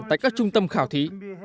tại các trung tâm khảo thí